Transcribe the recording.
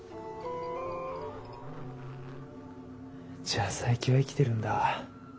じゃあ佐伯は生きてるんだ。